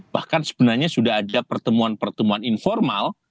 bahkan sebenarnya sudah ada pertemuan pertemuan informal